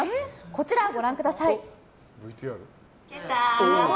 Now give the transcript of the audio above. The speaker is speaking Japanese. こちらご覧ください。